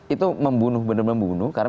itu membunuh benar benar membunuh karena